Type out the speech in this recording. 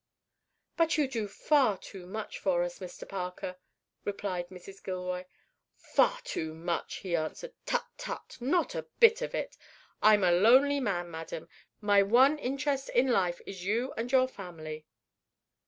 "But you do far too much for us, Mr. Parker," replied Mrs. Gilroy. "Far too much!" he answered; "tut, tut! not a bit of it. I am a lonely man, madam. My one interest in life is you and your family."